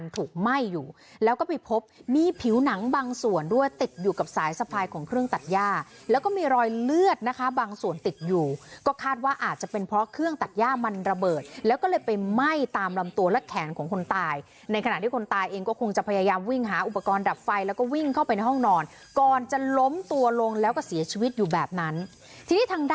ถูกไหม้อยู่แล้วก็ไปพบมีผิวหนังบางส่วนด้วยติดอยู่กับสายสะพายของเครื่องตัดย่าแล้วก็มีรอยเลือดนะคะบางส่วนติดอยู่ก็คาดว่าอาจจะเป็นเพราะเครื่องตัดย่ามันระเบิดแล้วก็เลยไปไหม้ตามลำตัวและแขนของคนตายในขณะที่คนตายเองก็คงจะพยายามวิ่งหาอุปกรณ์ดับไฟแล้วก็วิ่งเข้าไปในห้องนอนก่อนจะล้มตัวลงแล้วก็เสียชีวิตอยู่แบบนั้นทีนี้ทางด